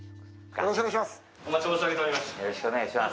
よろしくお願いします。